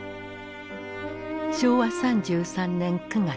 昭和３３年９月。